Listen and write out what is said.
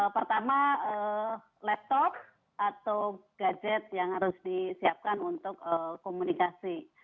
pertama laptop atau gadget yang harus disiapkan untuk komunikasi